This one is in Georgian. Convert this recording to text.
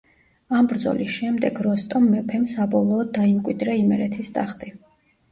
ამ ბრძოლის შემდეგ როსტომ მეფემ საბოლოოდ დაიმკვიდრა იმერეთის ტახტი.